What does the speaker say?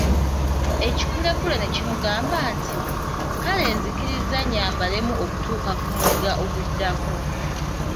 Ekikulekule ne kimugamba nti, Kale nzikiriza nnyambalemu okutuuka ku mugga oguddako.